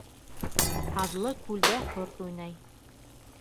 Һаҙлы күлдә ҡорт уйнай.